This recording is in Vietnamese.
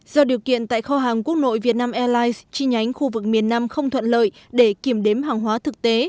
do điều kiện tại kho hàng quốc nội việt nam airlines chi nhánh khu vực miền nam không thuận lợi để kiểm đếm hàng hóa thực tế